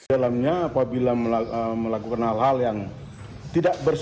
dalamnya apabila melakukan hal hal yang tidak bersifat